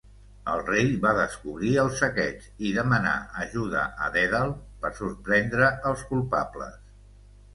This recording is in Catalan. El rei va descobrir el saqueig, i demanà ajuda a Dèdal per sorprendre els culpables.